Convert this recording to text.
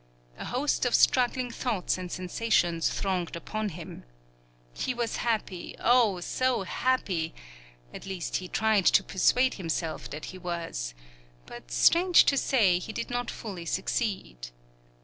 A host of struggling thoughts and sensations thronged upon him. He was happy, oh, so happy! at least he tried to persuade himself that he was; but strange to say, he did not fully succeed.